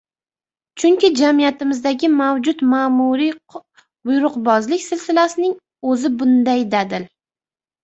Chunki jamiyatimizdagi mavjud ma’muriy-buyruqbozlik silsilasining o‘zi bunday dadil